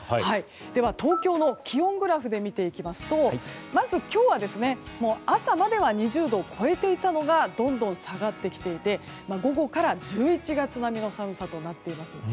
東京の気温グラフで見ていきますとまず今日は、朝までは２０度を超えていたのがどんどん下がってきて午後から１１月並みの寒さとなっています。